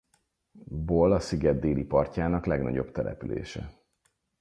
Bol a sziget déli partjának legnagyobb települése.